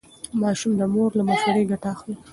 ماشوم د مور له مشورې ګټه اخلي.